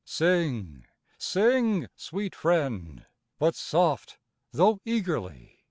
Sing, sing, sweet friend, but soft, though eagerly!